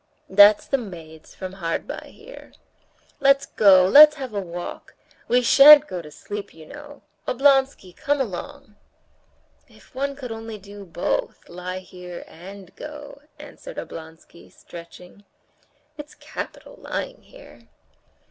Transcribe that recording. "That's the maids from hard by here." "Let's go, let's have a walk! We shan't go to sleep, you know. Oblonsky, come along!" "If one could only do both, lie here and go," answered Oblonsky, stretching. "It's capital lying here."